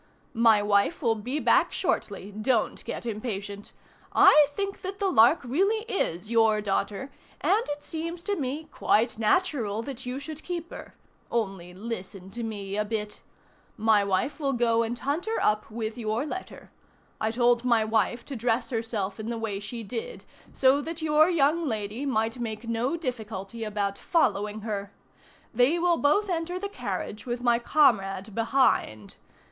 "My wife will be back shortly, don't get impatient. I think that the Lark really is your daughter, and it seems to me quite natural that you should keep her. Only, listen to me a bit. My wife will go and hunt her up with your letter. I told my wife to dress herself in the way she did, so that your young lady might make no difficulty about following her. They will both enter the carriage with my comrade behind.